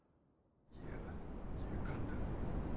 いや勇敢だ。